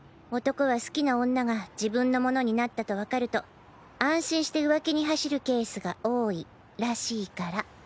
男は好きな女が自分のものになったとわかると安心して浮気に走るケースが多いらしいから。